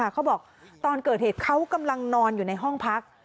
เขาบอกตอนเกิดเหตุเขากำลังนอนอยู่ในห้องพัก